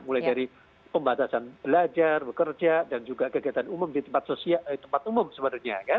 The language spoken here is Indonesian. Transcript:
mulai dari pembatasan belajar bekerja dan juga kegiatan umum di tempat umum sebenarnya